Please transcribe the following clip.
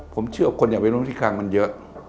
ผมเชื่อว่าคนอยากเป็นธุรกิจครั้งมันเยอะ